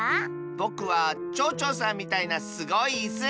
ぼくはちょうちょうさんみたいなすごいいす！